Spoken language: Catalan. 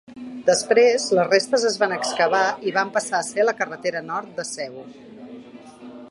Després, les restes es van excavar i van passar a ser la carretera nord de Cebu.